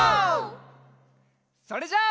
それじゃあ。